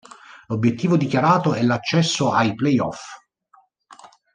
L'obiettivo dichiarato è l'accesso ai play-off.